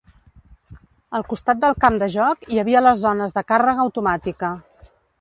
Al costat del camp de joc hi havia les zones de càrrega automàtica.